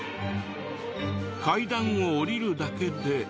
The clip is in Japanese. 階段を下りるだけで。